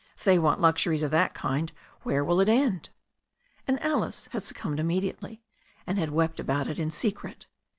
"If they want luxuries of that kind where will it end?" And Alice had succumbed immediately, and had wept about it in secret.